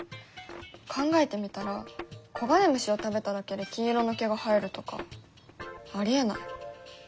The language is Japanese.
考えてみたら黄金虫を食べただけで金色の毛が生えるとかありえない。